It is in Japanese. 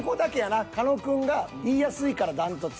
狩野くんが言いやすいから断トツ。